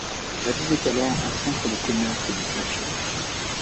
La ville est alors un centre de commerce et de culture.